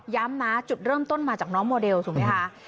นะจุดเริ่มต้นมาจากน้องโมเดลถูกไหมคะ